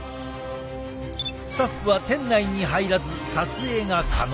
スタッフは店内に入らず撮影が可能。